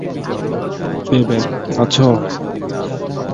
Payback, আছো?